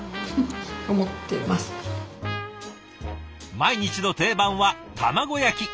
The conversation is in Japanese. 毎日の定番は卵焼き。